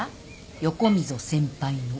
横溝先輩の。